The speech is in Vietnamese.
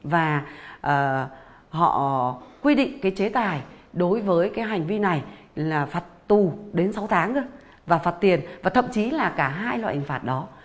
và họ quy định cái chế tài đối với cái hành vi này là phạt tù đến sáu tháng và phạt tiền và thậm chí là cả hai loại hình phạt đó